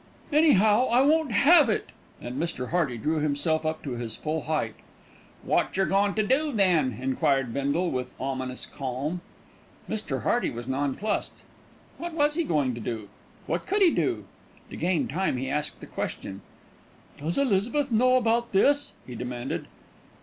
"Anyhow, I won't have it." And Mr. Hearty drew himself up to his full height. "Wot jer goin' to do then?" enquired Bindle with ominous calm. Mr. Hearty was nonplussed. What was he going to do? What could he do? To gain time he asked a question. "Does Elizabeth know about this?" he demanded.